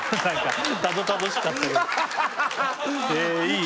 いい？